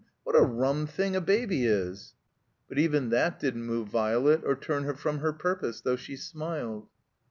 What a rum thing a baby is!" But even that didn't move Violet, or turn her from her purpose, though she smiled.